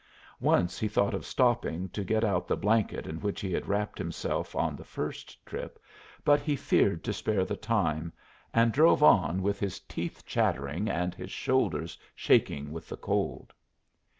Once he thought of stopping to get out the blanket in which he had wrapped himself on the first trip, but he feared to spare the time, and drove on with his teeth chattering and his shoulders shaking with the cold.